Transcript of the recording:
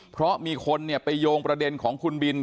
เพราะมีคนไปโยงประเด็นของคุณบิน